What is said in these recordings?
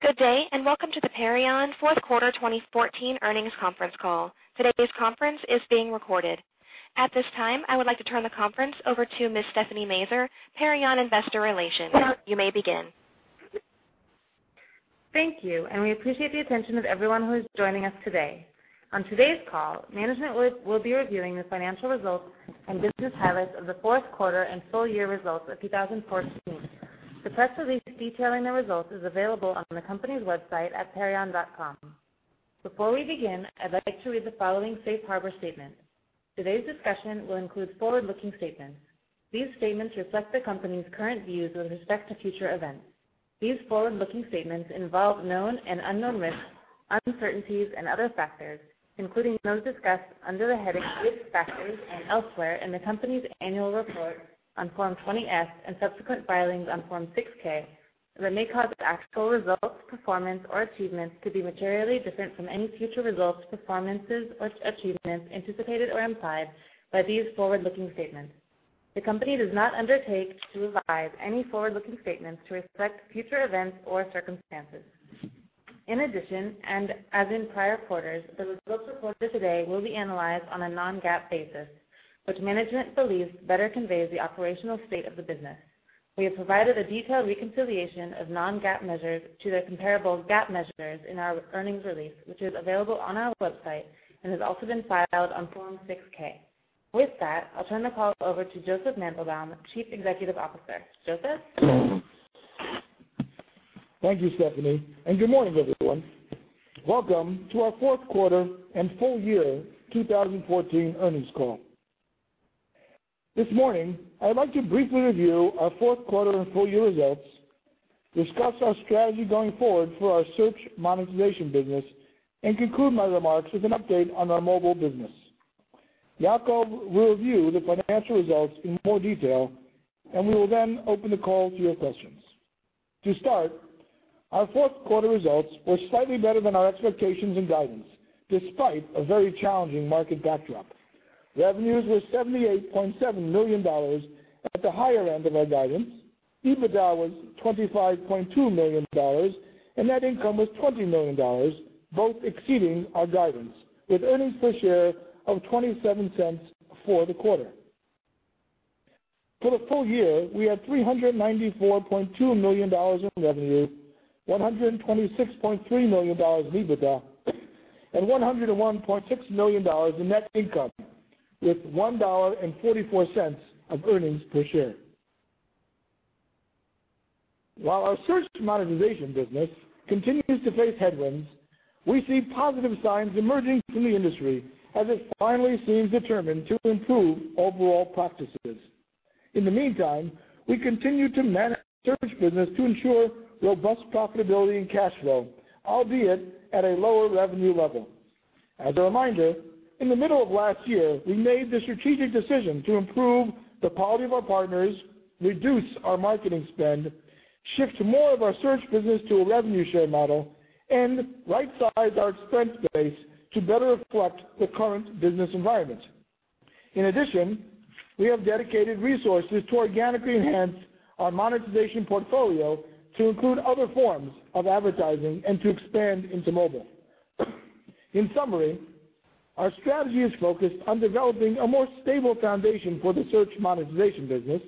Good day, welcome to the Perion fourth quarter 2014 earnings conference call. Today's conference is being recorded. At this time, I would like to turn the conference over to Ms. Stephanie Maeser, Perion Investor Relations. You may begin. Thank you, we appreciate the attention of everyone who is joining us today. On today's call, management will be reviewing the financial results and business highlights of the fourth quarter and full year results of 2014. The press release detailing the results is available on the company's website at perion.com. Before we begin, I'd like to read the following safe harbor statement. Today's discussion will include forward-looking statements. These statements reflect the company's current views with respect to future events. These forward-looking statements involve known and unknown risks, uncertainties and other factors, including those discussed under the heading, Risk Factors, and elsewhere in the company's annual report on Form 20-F and subsequent filings on Form 6-K that may cause actual results, performance, or achievements to be materially different from any future results, performances, or achievements anticipated or implied by these forward-looking statements. The company does not undertake to revise any forward-looking statements to reflect future events or circumstances. In addition, as in prior quarters, the results reported today will be analyzed on a non-GAAP basis, which management believes better conveys the operational state of the business. We have provided a detailed reconciliation of non-GAAP measures to the comparable GAAP measures in our earnings release, which is available on our website and has also been filed on Form 6-K. With that, I'll turn the call over to Josef Mandelbaum, Chief Executive Officer. Josef? Thank you, Stephanie, good morning, everyone. Welcome to our fourth quarter and full year 2014 earnings call. This morning, I'd like to briefly review our fourth quarter and full year results, discuss our strategy going forward for our search monetization business, conclude my remarks with an update on our mobile business. Yacov will review the financial results in more detail, we will then open the call to your questions. To start, our fourth quarter results were slightly better than our expectations and guidance, despite a very challenging market backdrop. Revenues were $78.7 million at the higher end of our guidance. EBITDA was $25.2 million, net income was $20 million, both exceeding our guidance, with earnings per share of $0.27 for the quarter. For the full year, we had $394.2 million in revenue, $126.3 million in EBITDA, and $101.6 million in net income, with $1.44 of earnings per share. While our search monetization business continues to face headwinds, we see positive signs emerging from the industry as it finally seems determined to improve overall practices. In the meantime, we continue to manage search business to ensure robust profitability and cash flow, albeit at a lower revenue level. As a reminder, in the middle of last year, we made the strategic decision to improve the quality of our partners, reduce our marketing spend, shift more of our search business to a revenue share model, and rightsize our expense base to better reflect the current business environment. In addition, we have dedicated resources to organically enhance our monetization portfolio to include other forms of advertising and to expand into mobile. In summary, our strategy is focused on developing a more stable foundation for the search monetization business,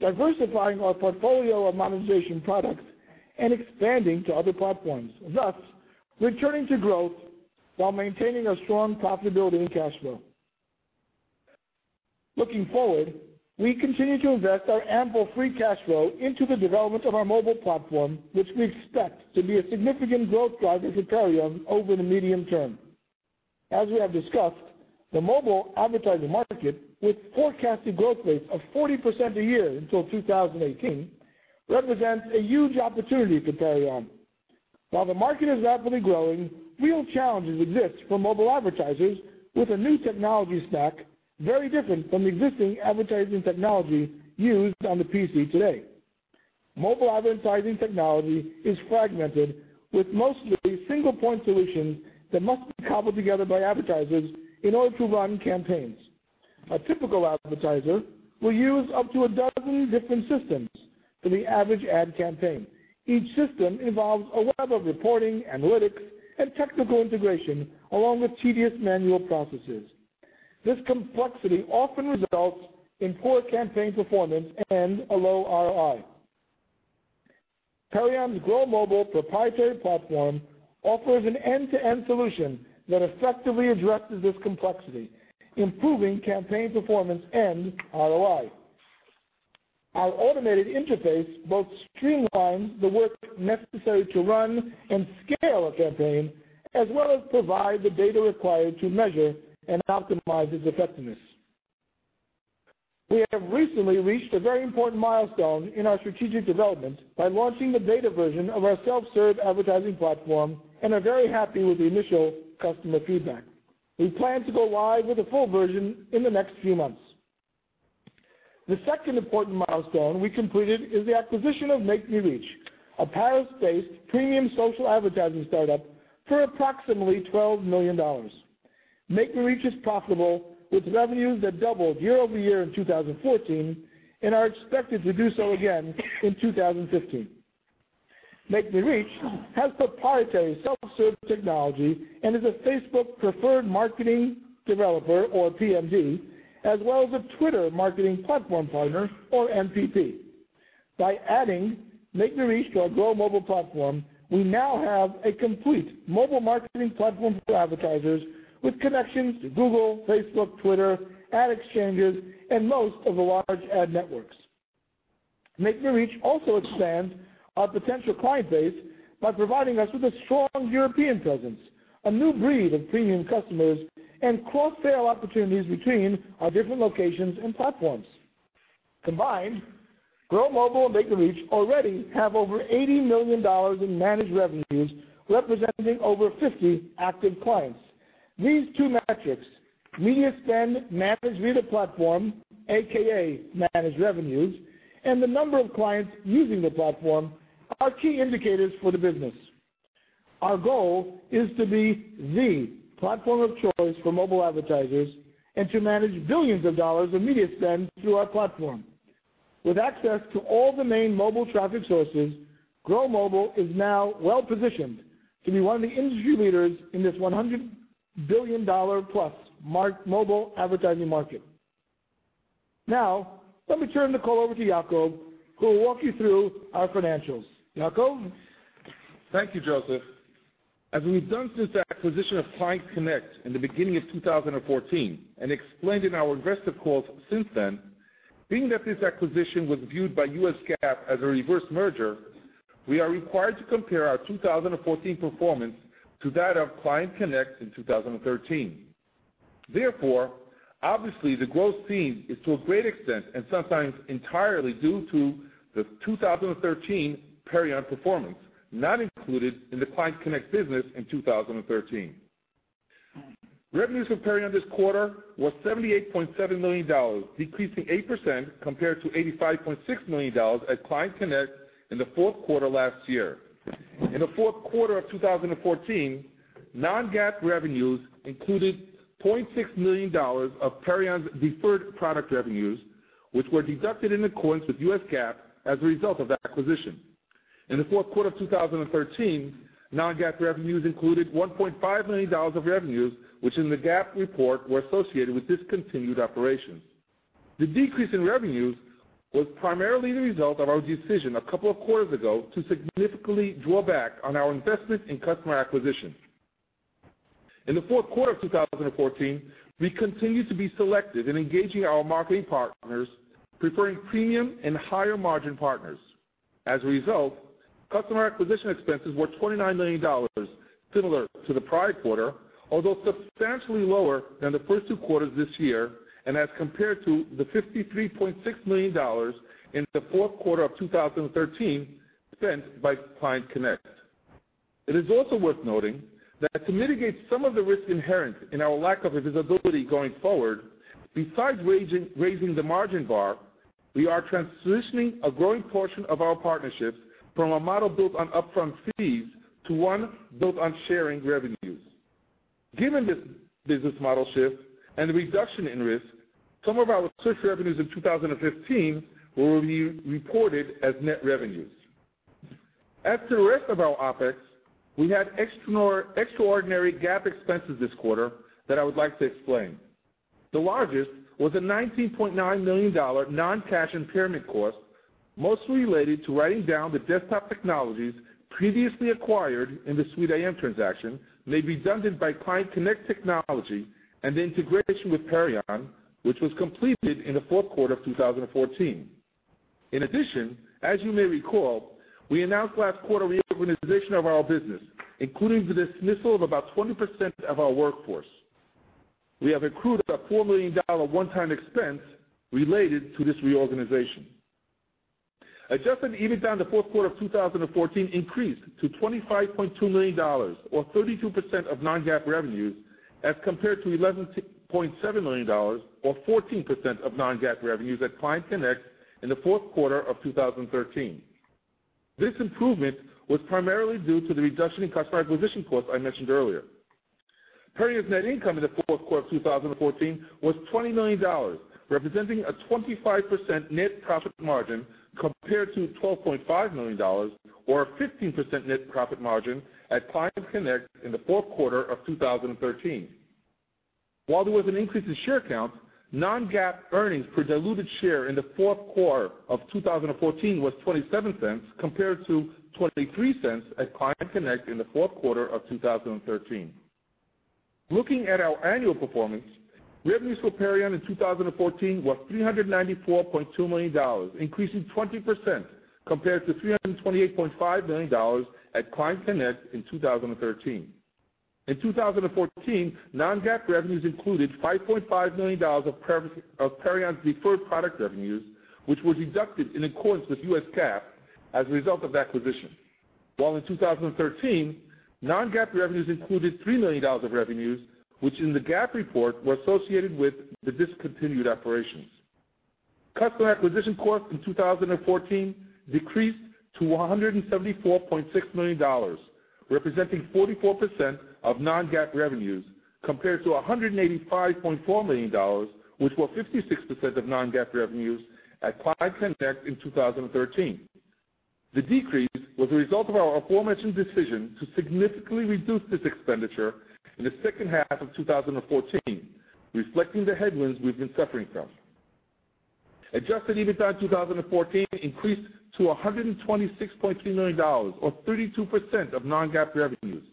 diversifying our portfolio of monetization products, and expanding to other platforms, thus returning to growth while maintaining a strong profitability and cash flow. Looking forward, we continue to invest our ample free cash flow into the development of our mobile platform, which we expect to be a significant growth driver for Perion over the medium term. As we have discussed, the mobile advertising market, with forecasted growth rates of 40% a year until 2018, represents a huge opportunity for Perion. While the market is rapidly growing, real challenges exist for mobile advertisers with a new technology stack very different from existing advertising technology used on the PC today. Mobile advertising technology is fragmented, with mostly single-point solutions that must be cobbled together by advertisers in order to run campaigns. A typical advertiser will use up to a dozen different systems for the average ad campaign. Each system involves a web of reporting, analytics, and technical integration, along with tedious manual processes. This complexity often results in poor campaign performance and a low ROI. Perion's Grow Mobile proprietary platform offers an end-to-end solution that effectively addresses this complexity, improving campaign performance and ROI. Our automated interface both streamlines the work necessary to run and scale a campaign, as well as provide the data required to measure and optimize its effectiveness. We have recently reached a very important milestone in our strategic development by launching the beta version of our self-serve advertising platform and are very happy with the initial customer feedback. We plan to go live with the full version in the next few months. The second important milestone we completed is the acquisition of MakeMeReach, a Paris-based premium social advertising startup for approximately $12 million. MakeMeReach is profitable with revenues that doubled year over year in 2014 and are expected to do so again in 2015. MakeMeReach has proprietary self-serve technology and is a Facebook preferred marketing developer, or PMD, as well as a Twitter marketing platform partner, or MPP. By adding MakeMeReach to our Grow Mobile platform, we now have a complete mobile marketing platform for advertisers with connections to Google, Facebook, Twitter, ad exchanges, and most of the large ad networks. MakeMeReach also expands our potential client base by providing us with a strong European presence, a new breed of premium customers, and cross-sale opportunities between our different locations and platforms. Combined, Grow Mobile and MakeMeReach already have over $80 million in managed revenues, representing over 50 active clients. These two metrics, media spend, managed media platform, AKA managed revenues, and the number of clients using the platform, are key indicators for the business. Our goal is to be the platform of choice for mobile advertisers and to manage billions of dollars in media spend through our platform. With access to all the main mobile traffic sources, Grow Mobile is now well-positioned to be one of the industry leaders in this $100 billion-plus mobile advertising market. Let me turn the call over to Yacov, who will walk you through our financials. Yacov? Thank you, Josef. As we've done since the acquisition of ClientConnect in the beginning of 2014 and explained in our investor calls since then, being that this acquisition was viewed by US GAAP as a reverse merger, we are required to compare our 2014 performance to that of ClientConnect in 2013. Obviously the growth seen is to a great extent and sometimes entirely due to the 2013 Perion performance, not included in the ClientConnect business in 2013. Revenues for Perion this quarter were $78.7 million, decreasing 8% compared to $85.6 million at ClientConnect in the fourth quarter last year. In the fourth quarter of 2014, non-GAAP revenues included $0.6 million of Perion's deferred product revenues, which were deducted in accordance with US GAAP as a result of the acquisition. In the fourth quarter of 2013, non-GAAP revenues included $1.5 million of revenues, which in the GAAP report were associated with discontinued operations. The decrease in revenues was primarily the result of our decision a couple of quarters ago to significantly draw back on our investment in customer acquisition. In the fourth quarter of 2014, we continued to be selective in engaging our marketing partners, preferring premium and higher-margin partners. As a result, customer acquisition expenses were $29 million, similar to the prior quarter, although substantially lower than the first two quarters this year, and as compared to the $53.6 million in the fourth quarter of 2013 spent by ClientConnect. It is also worth noting that to mitigate some of the risk inherent in our lack of visibility going forward, besides raising the margin bar, we are transitioning a growing portion of our partnerships from a model built on upfront fees to one built on sharing revenues. Given this business model shift and the reduction in risk, some of our search revenues in 2015 will be reported as net revenues. As to the rest of our OpEx, we had extraordinary GAAP expenses this quarter that I would like to explain. The largest was a $19.9 million non-cash impairment cost, mostly related to writing down the desktop technologies previously acquired in the SweetIM transaction, made redundant by ClientConnect technology and the integration with Perion, which was completed in the fourth quarter of 2014. In addition, as you may recall, we announced last quarter reorganization of our business, including the dismissal of about 20% of our workforce. We have accrued a $4 million one-time expense related to this reorganization. Adjusted EBITDA in the fourth quarter of 2014 increased to $25.2 million, or 32% of non-GAAP revenues, as compared to $11.7 million or 14% of non-GAAP revenues at ClientConnect in the fourth quarter of 2013. This improvement was primarily due to the reduction in customer acquisition costs I mentioned earlier. Perion's net income in the fourth quarter of 2014 was $20 million, representing a 25% net profit margin compared to $12.5 million or a 15% net profit margin at ClientConnect in the fourth quarter of 2013. While there was an increase in share count, non-GAAP earnings per diluted share in the fourth quarter of 2014 was $0.27 compared to $0.23 at ClientConnect in the fourth quarter of 2013. Looking at our annual performance, revenues for Perion in 2014 were $394.2 million, increasing 20% compared to $328.5 million at ClientConnect in 2013. In 2014, non-GAAP revenues included $5.5 million of Perion's deferred product revenues, which were deducted in accordance with US GAAP as a result of acquisition. While in 2013, non-GAAP revenues included $3 million of revenues, which in the GAAP report were associated with the discontinued operations. Customer acquisition costs in 2014 decreased to $174.6 million, representing 44% of non-GAAP revenues, compared to $185.4 million, which were 56% of non-GAAP revenues at ClientConnect in 2013. The decrease was a result of our aforementioned decision to significantly reduce this expenditure in the second half of 2014, reflecting the headwinds we've been suffering from. Adjusted EBITDA in 2014 increased to $126.3 million or 32% of non-GAAP revenues,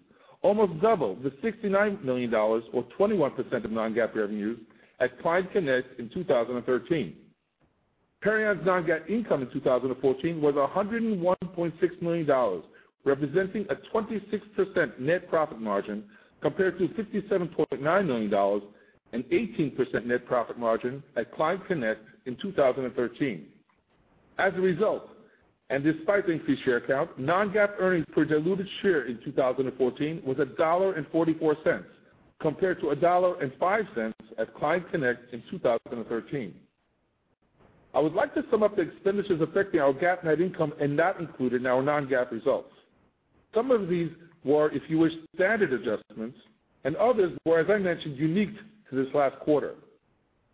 almost double the $69 million or 21% of non-GAAP revenues at ClientConnect in 2013. Perion's non-GAAP income in 2014 was $101.6 million, representing a 26% net profit margin compared to $57.9 million and 18% net profit margin at ClientConnect in 2013. As a result, despite increased share count, non-GAAP earnings per diluted share in 2014 was $1.44 compared to $1.05 at ClientConnect in 2013. I would like to sum up the expenditures affecting our GAAP net income and not included in our non-GAAP results. Some of these were, if you wish, standard adjustments, and others were, as I mentioned, unique to this last quarter.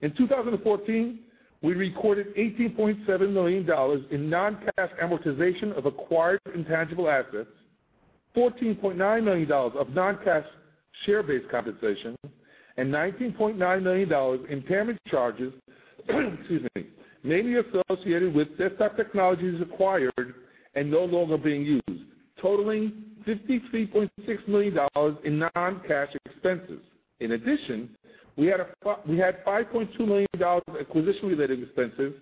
In 2014, we recorded $18.7 million in non-cash amortization of acquired intangible assets, $14.9 million of non-cash share-based compensation, and $19.9 million impairment charges, excuse me, mainly associated with desktop technologies acquired and no longer being used, totaling $53.6 million in non-cash expenses. In addition, we had $5.2 million of acquisition-related expenses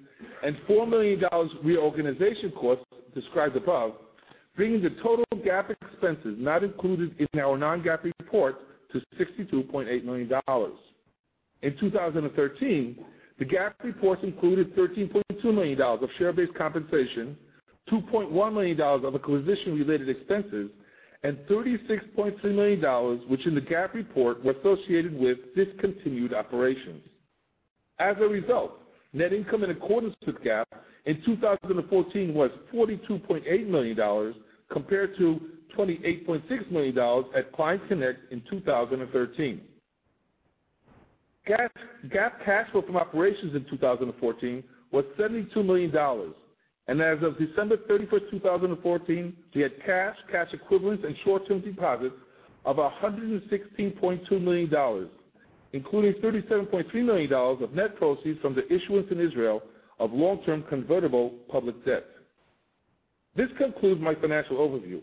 and $4 million reorganization costs described above, bringing the total GAAP expenses not included in our non-GAAP report to $62.8 million. In 2013, the GAAP reports included $13.2 million of share-based compensation, $2.1 million of acquisition-related expenses, and $36.3 million, which in the GAAP report were associated with discontinued operations. As a result, net income in accordance with GAAP in 2014 was $42.8 million compared to $28.6 million at ClientConnect in 2013. GAAP cash flow from operations in 2014 was $72 million, and as of December 31st, 2014, we had cash equivalents, and short-term deposits of $116.2 million, including $37.3 million of net proceeds from the issuance in Israel of long-term convertible public debt. This concludes my financial overview.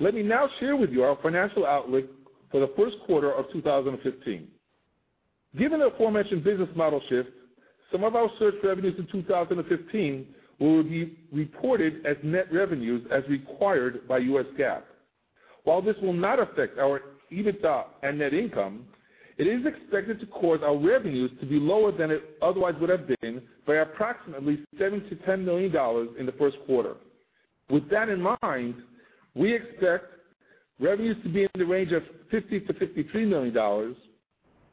Let me now share with you our financial outlook for the first quarter of 2015. Given the aforementioned business model shift, some of our search revenues in 2015 will be reported as net revenues as required by US GAAP. While this will not affect our EBITDA and net income, it is expected to cause our revenues to be lower than it otherwise would have been by approximately $7 million-$10 million in the first quarter. With that in mind, we expect revenues to be in the range of $50 million-$53 million,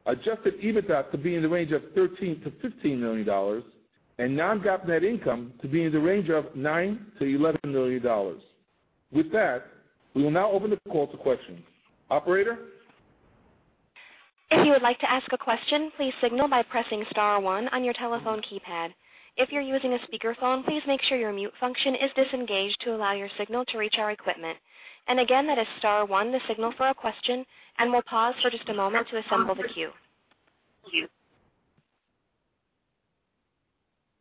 adjusted EBITDA to be in the range of $13 million-$15 million, and non-GAAP net income to be in the range of $9 million-$11 million. With that, we will now open the call to questions. Operator? If you would like to ask a question, please signal by pressing *1 on your telephone keypad. If you are using a speakerphone, please make sure your mute function is disengaged to allow your signal to reach our equipment. Again, that is *1, the signal for a question, and we will pause for just a moment to assemble the queue.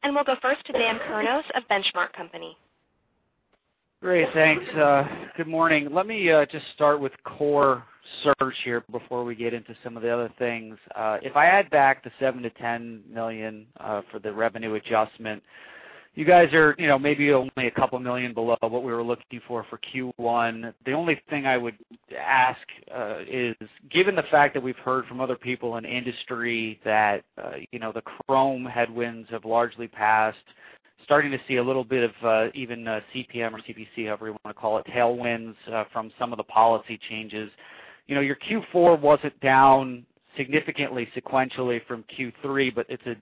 We will go first to Dan Kurnos of The Benchmark Company. Great. Thanks. Good morning. Let me just start with core search here before we get into some of the other things. If I add back the $7 million-$10 million for the revenue adjustment, you guys are maybe only a couple million below what we were looking for Q1. The only thing I would ask is, given the fact that we have heard from other people in the industry that the Chrome headwinds have largely passed, starting to see a little bit of even CPM or CPC, however you want to call it, tailwinds from some of the policy changes. Your Q4 wasn't down significantly sequentially from Q3, but it is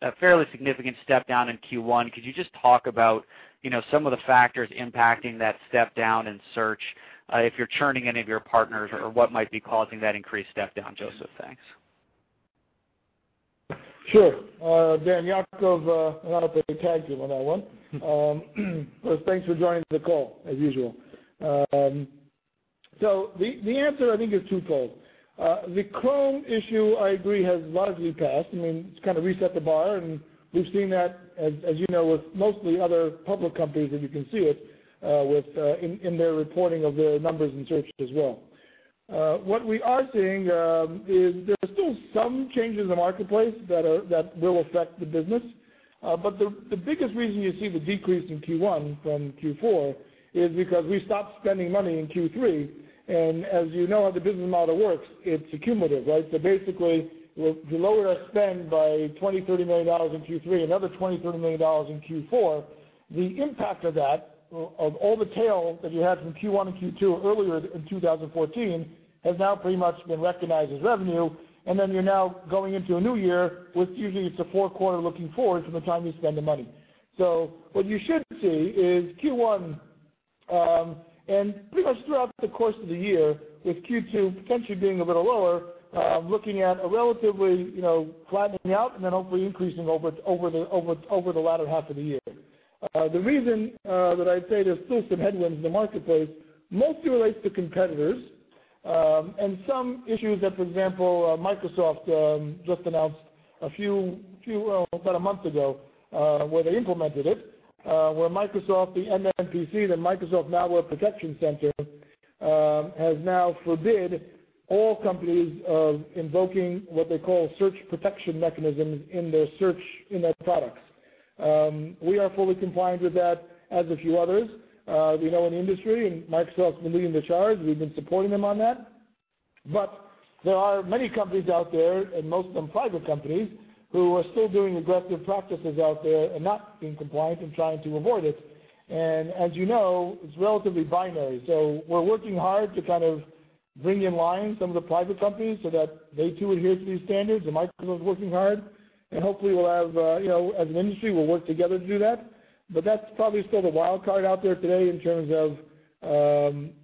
a fairly significant step down in Q1. Could you just talk about some of the factors impacting that step down in search, if you are churning any of your partners or what might be causing that increased step down, Josef? Thanks. Sure. Dan, Yacov, I don't know if I tagged you on that one. Thanks for joining the call, as usual. The answer, I think, is twofold. The Chrome issue, I agree, has largely passed, and it's kind of reset the bar, and we've seen that, as you know, with mostly other public companies, and you can see it in their reporting of their numbers in search as well. What we are seeing is there are still some changes in the marketplace that will affect the business. The biggest reason you see the decrease in Q1 from Q4 is because we stopped spending money in Q3, and as you know how the business model works, it's cumulative, right? Basically, we lowered our spend by $20 million, $30 million in Q3, another $20 million, $30 million in Q4. The impact of that, of all the tail that you had from Q1 and Q2 earlier in 2014, has now pretty much been recognized as revenue. You're now going into a new year with usually it's a four-quarter looking forward from the time you spend the money. What you should see is Q1 Pretty much throughout the course of the year, with Q2 potentially being a little lower, looking at a relatively flattening out and then hopefully increasing over the latter half of the year. The reason that I say there's still some headwinds in the marketplace mostly relates to competitors, and some issues that, for example, Microsoft just announced about a month ago, where they implemented it, where Microsoft, the MMPC, the Microsoft Malware Protection Center, has now forbid all companies of invoking what they call search protection mechanisms in their products. We are fully compliant with that, as a few others in the industry, and Microsoft's been leading the charge. We've been supporting them on that. There are many companies out there, and most of them private companies, who are still doing aggressive practices out there and not being compliant and trying to avoid it. As you know, it's relatively binary. We're working hard to bring in line some of the private companies so that they too adhere to these standards, and Microsoft's working hard, and hopefully as an industry, we'll work together to do that, but that's probably still the wild card out there today in terms of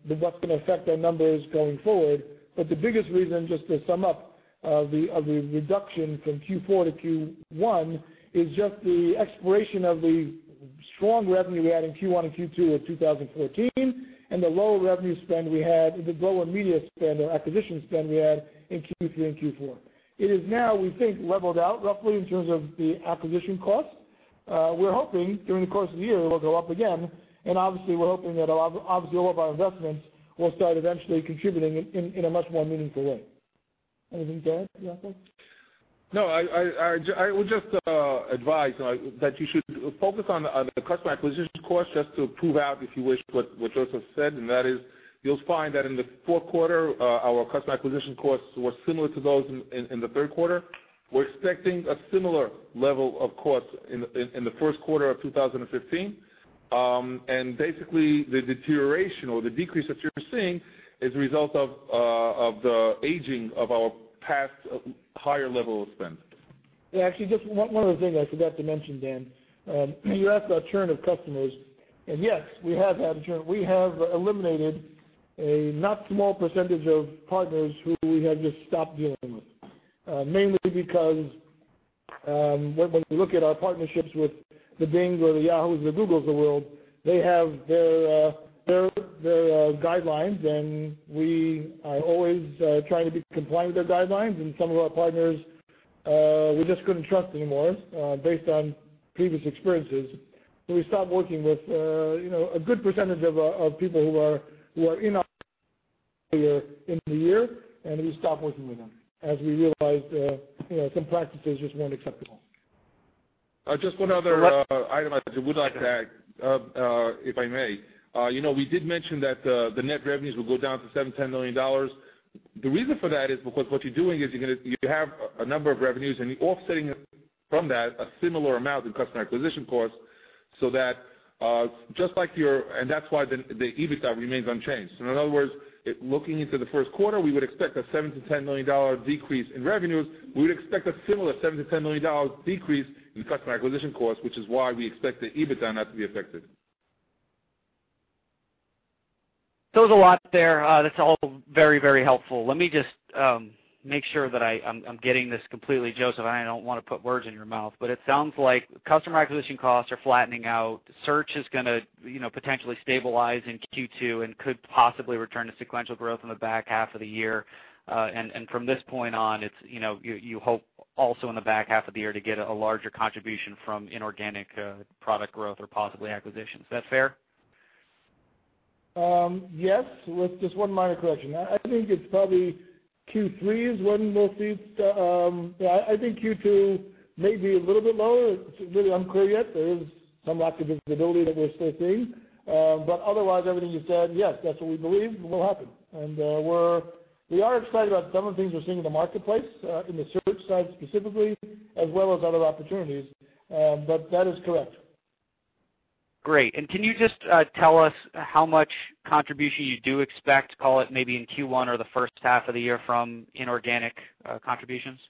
what's going to affect our numbers going forward. The biggest reason, just to sum up, of the reduction from Q4 to Q1 is just the expiration of the strong revenue we had in Q1 and Q2 of 2014, and the lower media spend or acquisition spend we had in Q3 and Q4. It has now, we think, leveled out roughly in terms of the acquisition cost. We're hoping during the course of the year it will go up again, and obviously we're hoping that obviously all of our investments will start eventually contributing in a much more meaningful way. Anything to add, Yacov? No, I would just advise that you should focus on the customer acquisition cost just to prove out, if you wish, what Josef said, and that is, you'll find that in the fourth quarter, our customer acquisition costs were similar to those in the third quarter. We're expecting a similar level of cost in the first quarter of 2015. Basically, the deterioration or the decrease that you're seeing is a result of the aging of our past higher level of spend. Yeah, actually, just one other thing I forgot to mention, Dan. You asked about churn of customers, and yes, we have had a churn. We have eliminated a not small percentage of partners who we have just stopped dealing with. Mainly because when we look at our partnerships with the Bings or the Yahoos or the Googles of the world, they have their guidelines, and we are always trying to be compliant with their guidelines and some of our partners we just couldn't trust anymore based on previous experiences. We stopped working with a good percentage of people who were in our in the year, and we stopped working with them as we realized some practices just weren't acceptable. Just one other item I would like to add, if I may. We did mention that the net revenues would go down to $7 million-$10 million. The reason for that is because what you're doing is you have a number of revenues, and you're offsetting from that a similar amount in customer acquisition costs, and that's why the EBITDA remains unchanged. In other words, looking into the first quarter, we would expect a $7 million-$10 million decrease in revenues. We would expect a similar $7 million-$10 million decrease in customer acquisition costs, which is why we expect the EBITDA not to be affected. there's a lot there. That's all very helpful. Let me just make sure that I'm getting this completely, Josef. I don't want to put words in your mouth, but it sounds like customer acquisition costs are flattening out. Search is going to potentially stabilize in Q2 and could possibly return to sequential growth in the back half of the year. From this point on, you hope also in the back half of the year to get a larger contribution from inorganic product growth or possibly acquisitions. Is that fair? Yes. With just one minor correction. I think it's probably Q3 is when we'll see I think Q2 may be a little bit lower. It's really unclear yet. There is some lack of visibility that we're still seeing. Otherwise, everything you said, yes, that's what we believe will happen. We are excited about some of the things we're seeing in the marketplace, in the search side specifically, as well as other opportunities. That is correct. Great. Can you just tell us how much contribution you do expect, call it maybe in Q1 or the first half of the year, from inorganic contributions?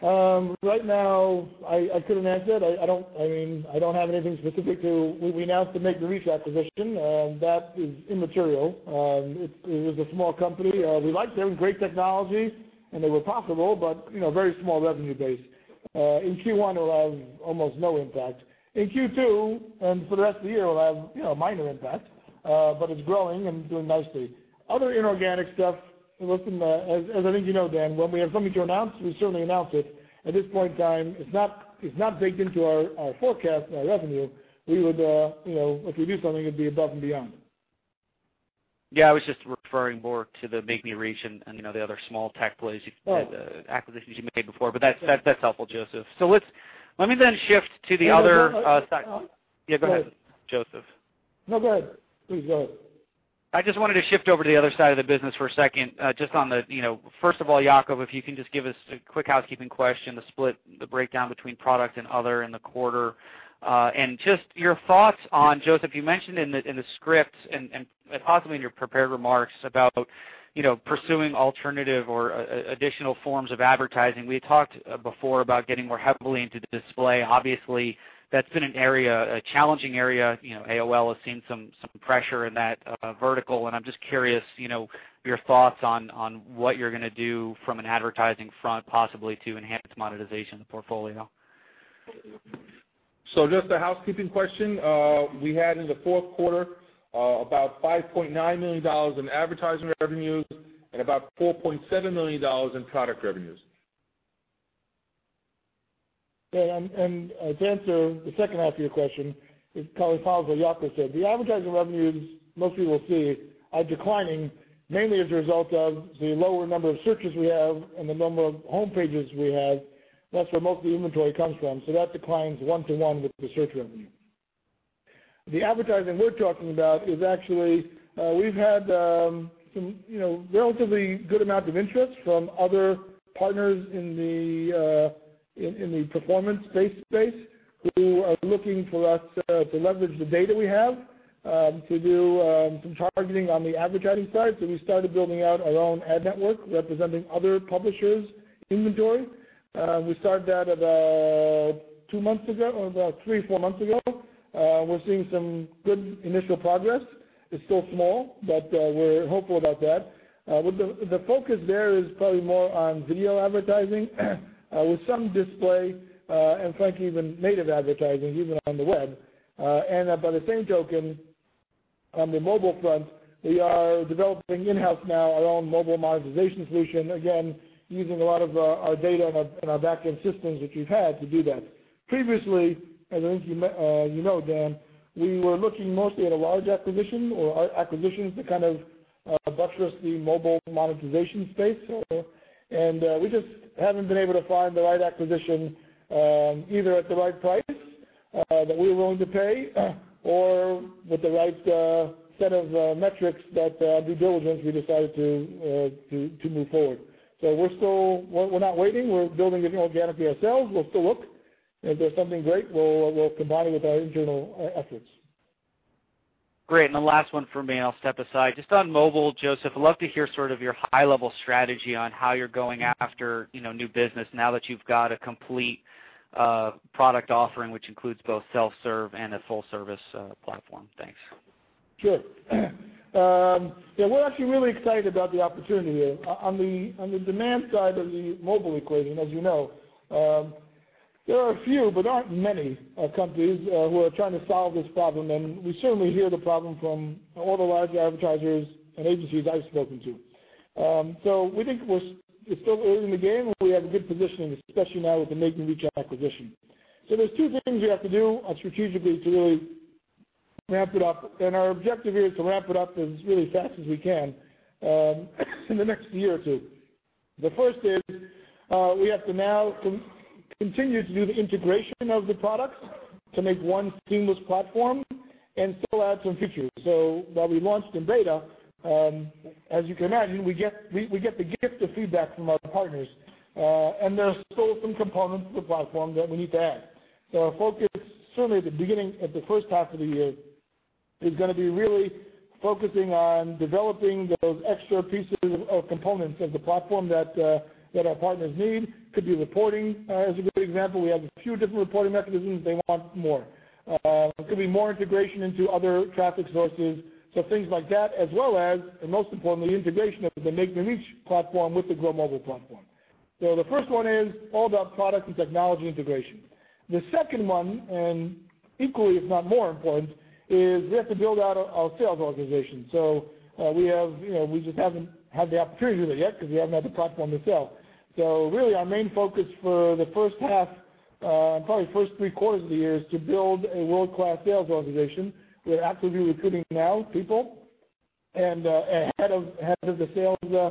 Right now, I couldn't answer that. I don't have anything specific to We announced the MakeMeReach acquisition. That is immaterial. It is a small company. We liked them, great technology, and they were profitable, but very small revenue base. In Q1, it'll have almost no impact. In Q2, and for the rest of the year, it'll have a minor impact. It's growing and doing nicely. Other inorganic stuff, listen, as I think you know, Dan, when we have something to announce, we certainly announce it. At this point in time, it's not baked into our forecast, our revenue. If we do something, it'd be above and beyond. Yeah, I was just referring more to the MakeMeReach and the other small tech plays, acquisitions you made before, but that's helpful, Josef. Let me shift to the other side. Dan, may I? Yeah, go ahead, Josef. No, go ahead. Please go ahead. I just wanted to shift over to the other side of the business for a second. First of all, Yacov, if you can just give us a quick housekeeping question, the split, the breakdown between product and other in the quarter. Just your thoughts on, Josef, you mentioned in the script and possibly in your prepared remarks about pursuing alternative or additional forms of advertising. We had talked before about getting more heavily into display. Obviously, that's been a challenging area. AOL has seen some pressure in that vertical, and I'm just curious your thoughts on what you're going to do from an advertising front, possibly to enhance monetization of the portfolio. Just a housekeeping question. We had in the fourth quarter, about $5.9 million in advertising revenues and about $4.7 million in product revenues. Dan, to answer the second half of your question, it's probably what Yacov said. The advertising revenues most people see are declining, mainly as a result of the lower number of searches we have and the number of homepages we have. That's where most of the inventory comes from, so that declines one to one with the search revenue. The advertising we're talking about is actually, we've had some relatively good amount of interest from other partners in the performance-based space who are looking for us to leverage the data we have, to do some targeting on the advertising side. We started building out our own ad network representing other publishers' inventory. We started that about two months ago, or about three, four months ago. We're seeing some good initial progress. It's still small, but we're hopeful about that. The focus there is probably more on video advertising, with some display, and frankly, even native advertising, even on the web. By the same token, on the mobile front, we are developing in-house now our own mobile monetization solution, again, using a lot of our data and our back-end systems which we've had to do that. Previously, as you know, Dan, we were looking mostly at a large acquisition or acquisitions to kind of buttress the mobile monetization space. We just haven't been able to find the right acquisition, either at the right price that we're willing to pay, or with the right set of metrics that due diligence, we decided to move forward. We're not waiting. We're building it organically ourselves. We'll still look, and if there's something great, we'll combine it with our internal efforts. Great. The last one from me, I'll step aside. Just on mobile, Josef, I'd love to hear sort of your high-level strategy on how you're going after new business now that you've got a complete product offering, which includes both self-serve and a full-service platform. Thanks. Sure. Yeah, we're actually really excited about the opportunity here. On the demand side of the mobile equation, as you know, there are a few, but aren't many companies who are trying to solve this problem. We certainly hear the problem from all the large advertisers and agencies I've spoken to. We think it's still early in the game, and we have a good positioning, especially now with the MakeMeReach acquisition. There are two things we have to do strategically to really ramp it up, and our objective here is to ramp it up as really fast as we can in the next year or two. The first is we have to now continue to do the integration of the products to make one seamless platform and still add some features. While we launched in beta, as you can imagine, we get the gift of feedback from our partners. There are still some components of the platform that we need to add. Our focus, certainly at the beginning, at the first half of the year, is going to be really focusing on developing those extra pieces of components of the platform that our partners need. Could be reporting as a good example. We have a few different reporting mechanisms. They want more. Could be more integration into other traffic sources, things like that, as well as, and most importantly, integration of the MakeMeReach platform with the Grow Mobile platform. The first one is all about product and technology integration. The second one, and equally if not more important, is we have to build out our sales organization. We just haven't had the opportunity to do that yet because we haven't had the platform to sell. Really our main focus for the first half, probably the first three-quarters of the year, is to build a world-class sales organization. We're actively recruiting now people and a head of that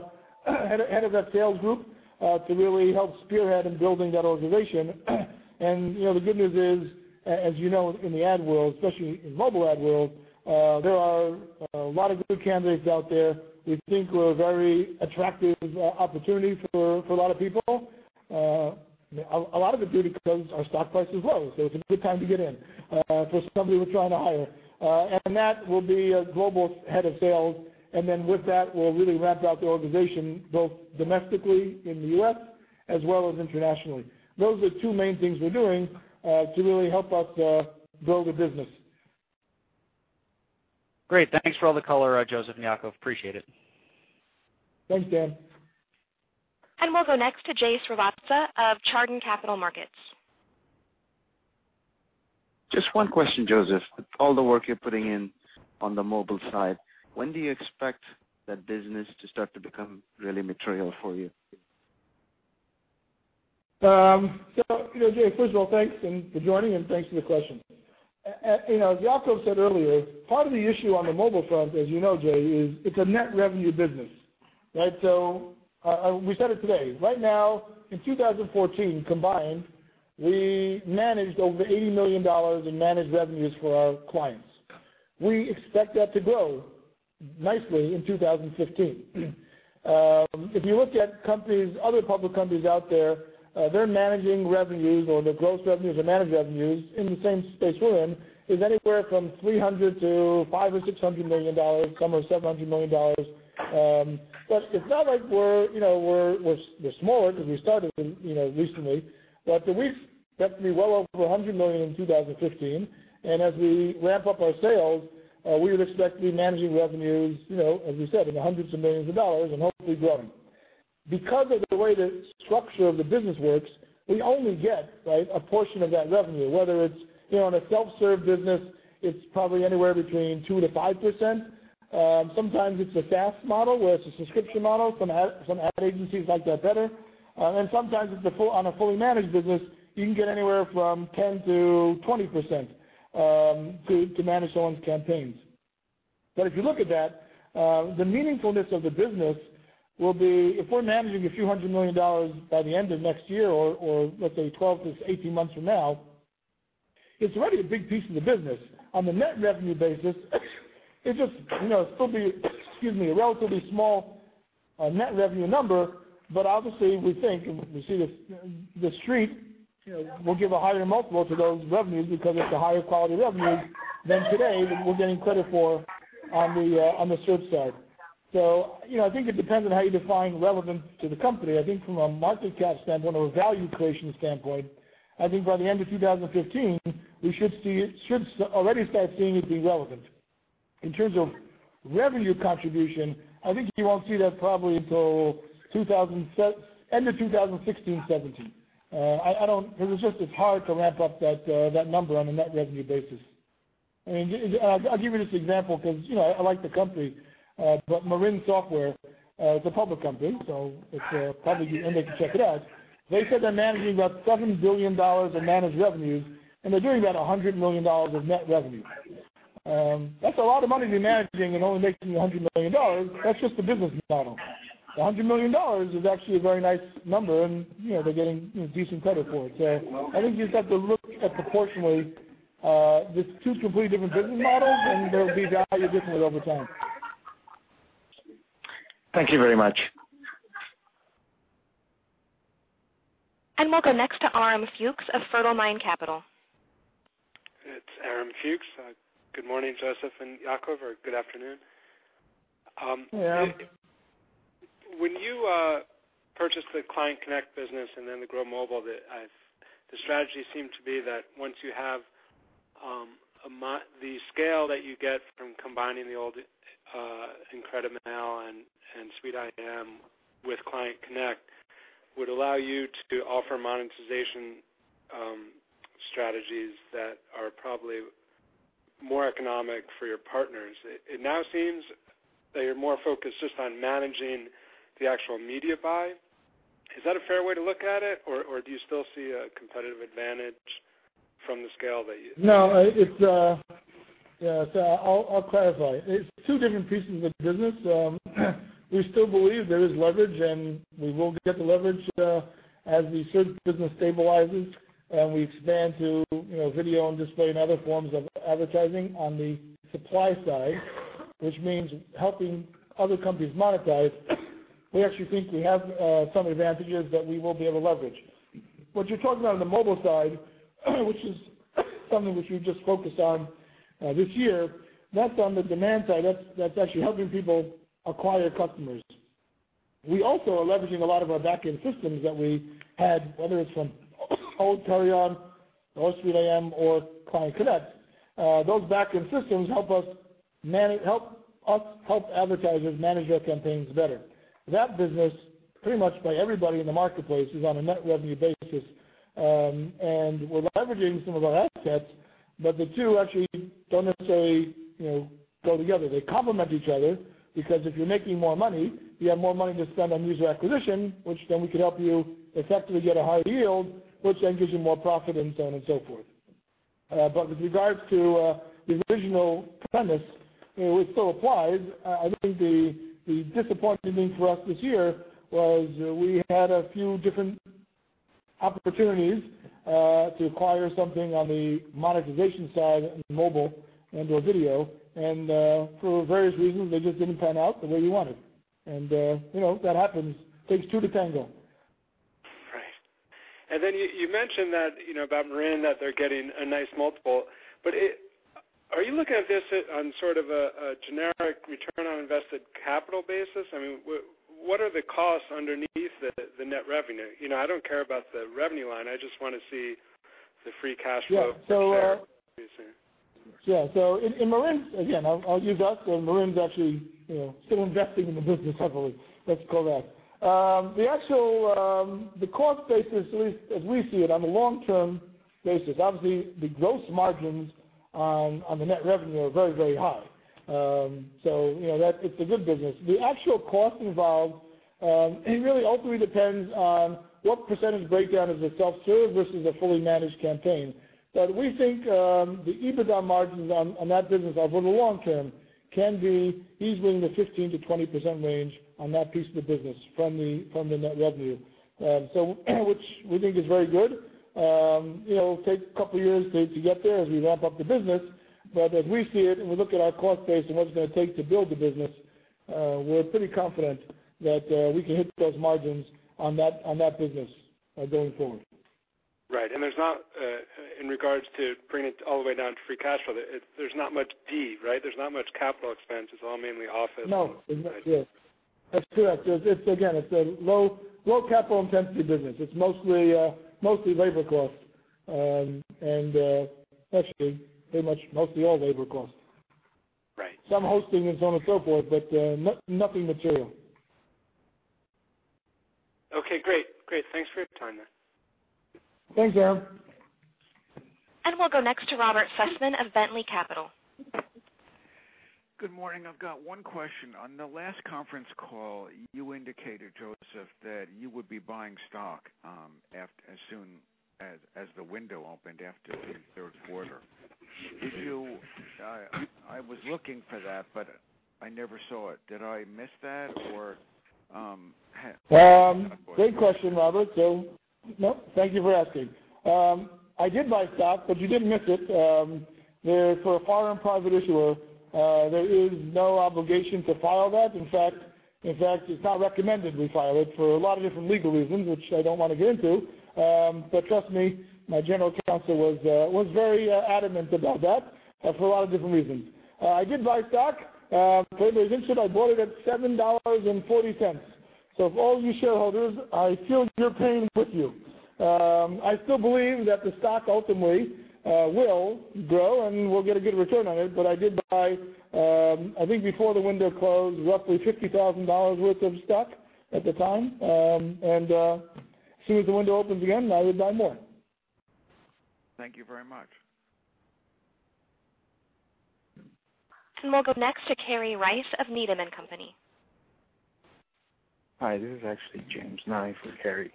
sales group to really help spearhead in building that organization. The good news is, as you know, in the ad world, especially in mobile ad world, there are a lot of good candidates out there. We think we're a very attractive opportunity for a lot of people. A lot of it due to because our stock price is low, so it's a good time to get in for somebody we're trying to hire. That will be a global head of sales. With that, we'll really ramp out the organization both domestically in the U.S. as well as internationally. Those are the two main things we're doing to really help us grow the business. Great. Thanks for all the color, Josef and Yacov. Appreciate it. Thanks, Dan. We'll go next to Jay Srivatsa of Chardan Capital Markets. Just one question, Josef. All the work you're putting in on the mobile side, when do you expect that business to start to become really material for you? Jay, first of all, thanks for joining and thanks for the question. As Yacov said earlier, part of the issue on the mobile front, as you know, Jay, is it's a net revenue business, right? We said it today. Right now in 2014 combined, we managed over $80 million in managed revenues for our clients. We expect that to grow nicely in 2015. If you look at other public companies out there, they're managing revenues or their gross revenues or managed revenues in the same space we're in, is anywhere from 300 to 500 or $600 million, some are $700 million. It's not like we're smaller because we started recently. We expect to be well over $100 million in 2015. As we ramp up our sales, we would expect to be managing revenues, as we said, in the hundreds of millions of dollars and hopefully growing. Because of the way the structure of the business works, we only get a portion of that revenue. Whether it's on a self-serve business, it's probably anywhere between 2%-5%. Sometimes it's a SaaS model, where it's a subscription model. Some ad agencies like that better. Sometimes on a fully managed business, you can get anywhere from 10%-20% to manage someone's campaigns. If you look at that, the meaningfulness of the business will be, if we're managing a few hundred million dollars by the end of next year or, let's say, 12-18 months from now, it's already a big piece of the business. On the net revenue basis, it'll still be, excuse me, a relatively small net revenue number. Obviously, we think, and we see The Street will give a higher multiple to those revenues because it's a higher quality of revenue than today that we're getting credit for on the search side. I think it depends on how you define relevant to the company. I think from a market cap standpoint or a value creation standpoint, I think by the end of 2015, we should already start seeing it be relevant. In terms of revenue contribution, I think you won't see that probably until end of 2016, 2017. It's just hard to ramp up that number on a net revenue basis. I'll give you this example because I like the company. Marin Software, it's a public company, they can check it out. They said they're managing about $7 billion of managed revenue, they're doing about $100 million of net revenue. That's a lot of money to be managing and only making $100 million. That's just the business model. $100 million is actually a very nice number, and they're getting decent credit for it. I think you just have to look at proportionately, it's two completely different business models, and they'll be valued differently over time. Thank you very much. We'll go next to Aram Fuchs of Fertile Mind Capital. It's Aram Fuchs. Good morning, Josef and Yacov, or good afternoon. Yeah. When you purchased the ClientConnect business and then the Grow Mobile, the strategy seemed to be that once you have the scale that you get from combining the old IncrediMail and SweetIM with ClientConnect, would allow you to offer monetization strategies that are probably more economic for your partners. It now seems that you're more focused just on managing the actual media buy. Is that a fair way to look at it, or do you still see a competitive advantage from the scale? No. I'll clarify. It's two different pieces of the business. We still believe there is leverage, and we will get the leverage as the search business stabilizes and we expand to video and display and other forms of advertising on the supply side, which means helping other companies monetize. We actually think we have some advantages that we will be able to leverage. What you're talking about on the mobile side, which is something which we've just focused on this year, that's on the demand side. That's actually helping people acquire customers. We also are leveraging a lot of our back-end systems that we had, whether it's from old Perion or SweetIM or ClientConnect. Those back-end systems help us help advertisers manage their campaigns better. That business, pretty much by everybody in the marketplace, is on a net revenue basis. We're leveraging some of our assets, but the two actually don't necessarily go together. They complement each other because if you're making more money, you have more money to spend on user acquisition, which then we can help you effectively get a higher yield, which then gives you more profit, and so on and so forth. With regards to the original premise, it still applies. I think the disappointing thing for us this year was we had a few different opportunities to acquire something on the monetization side in mobile and/or video, and for various reasons, they just didn't pan out the way we wanted. That happens. Takes two to tango. Right. Then you mentioned about Marin, that they're getting a nice multiple. Are you looking at this on sort of a generic return on invested capital basis? I mean, what are the costs underneath the net revenue? I don't care about the revenue line. I just want to see the free cash flow per share. In Marin, again, I'll use us, Marin's actually still investing in the business heavily. Let's call that. The cost basis, as we see it on a long-term basis, obviously, the gross margins on the net revenue are very, very high. It's a good business. The actual cost involved, it really ultimately depends on what percentage breakdown is a self-serve versus a fully managed campaign. We think the EBITDA margins on that business over the long term can be easily in the 15%-20% range on that piece of the business from the net revenue, which we think is very good. It'll take a couple of years to get there as we ramp up the business. As we see it, and we look at our cost base and what it's going to take to build the business, we're pretty confident that we can hit those margins on that business going forward. Right. In regards to bringing it all the way down to free cash flow, there's not much D, right? There's not much capital expense. It's all mainly office. No. That's correct. Again, it's a low capital intensity business. It's mostly labor cost. Actually, pretty much mostly all labor cost. Some hosting and so on and so forth, but nothing material. Okay, great. Thanks for your time then. Thanks, Aram. We'll go next to Robert Sussman of Bentley Capital. Good morning. I've got one question. On the last conference call, you indicated, Josef, that you would be buying stock as soon as the window opened after the third quarter. I was looking for that, but I never saw it. Did I miss that? Great question, Robert. Nope. Thank you for asking. I did buy stock, but you didn't miss it. For a foreign private issuer, there is no obligation to file that. In fact, it's not recommended we file it for a lot of different legal reasons, which I don't want to get into. Trust me, my general counsel was very adamant about that for a lot of different reasons. I did buy stock. For anybody who's interested, I bought it at $7.40. For all of you shareholders, I feel your pain with you. I still believe that the stock ultimately will grow, and we'll get a good return on it. I did buy, I think before the window closed, roughly $50,000 worth of stock at the time. As soon as the window opens again, I would buy more. Thank you very much. We'll go next to Kerry Rice of Needham & Company. Hi, this is actually [James Nye] for Kerry.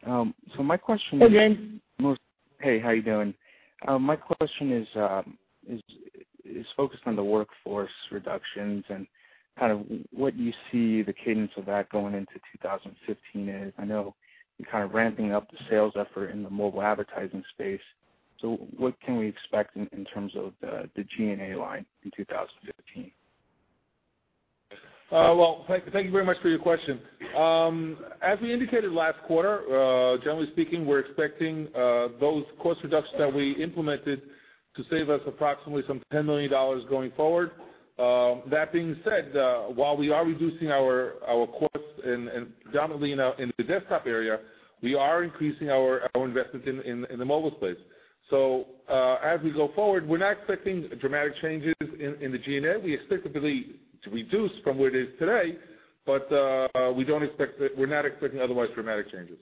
Hey, James. Hey, how you doing? My question is focused on the workforce reductions and what you see the cadence of that going into 2015 is. I know you're kind of ramping up the sales effort in the mobile advertising space. What can we expect in terms of the G&A line in 2015? Well, thank you very much for your question. As we indicated last quarter, generally speaking, we're expecting those cost reductions that we implemented to save us approximately some $10 million going forward. That being said, while we are reducing our costs, and dominantly in the desktop area, we are increasing our investment in the mobile space. As we go forward, we're not expecting dramatic changes in the G&A. We expect it really to reduce from where it is today, but we're not expecting otherwise dramatic changes.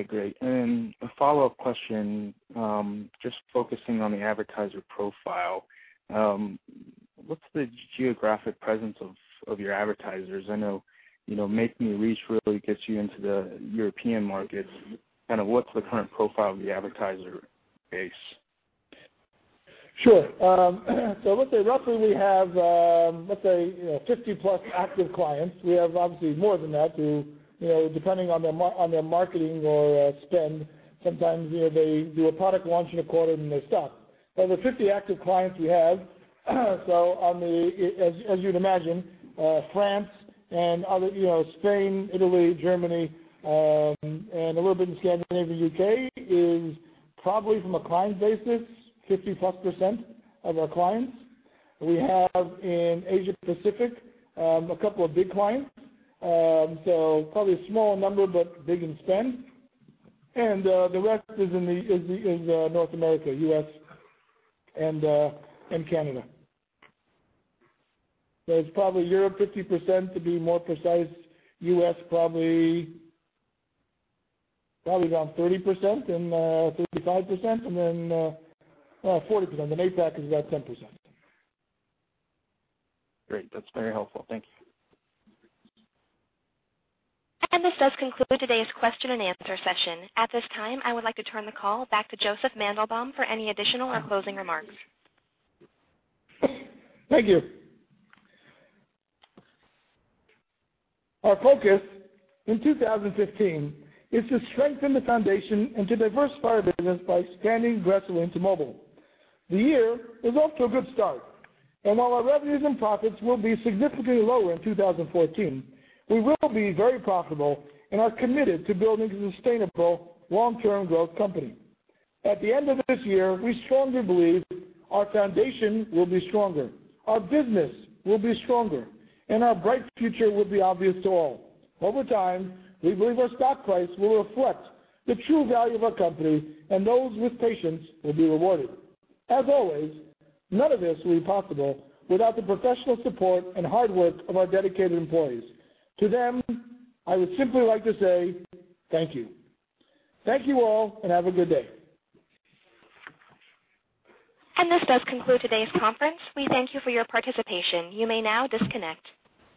A follow-up question, just focusing on the advertiser profile. What's the geographic presence of your advertisers? I know MakeMeReach really gets you into the European markets. What's the current profile of the advertiser base? Sure. Let's say roughly we have 50-plus active clients. We have obviously more than that who, depending on their marketing or spend, sometimes they do a product launch in a quarter, then they stop. Of the 50 active clients we have, as you'd imagine, France and Spain, Italy, Germany, and a little bit in Scandinavia, U.K. is probably, from a client basis, 50-plus% of our clients. We have in Asia Pacific, a couple of big clients. Probably a small number, but big in spend. The rest is North America, U.S., and Canada. It's probably Europe 50%, to be more precise, U.S. probably around 30% and 35%, and then 40%, then APAC is about 10%. Great. That's very helpful. Thank you. This does conclude today's question and answer session. At this time, I would like to turn the call back to Josef Mandelbaum for any additional or closing remarks. Thank you. Our focus in 2015 is to strengthen the foundation and to diversify our business by expanding gradually into mobile. The year is off to a good start, and while our revenues and profits will be significantly lower in 2014, we will be very profitable and are committed to building a sustainable long-term growth company. At the end of this year, we strongly believe our foundation will be stronger, our business will be stronger, and our bright future will be obvious to all. Over time, we believe our stock price will reflect the true value of our company, and those with patience will be rewarded. As always, none of this will be possible without the professional support and hard work of our dedicated employees. To them, I would simply like to say thank you. Thank you all, and have a good day. This does conclude today's conference. We thank you for your participation. You may now disconnect.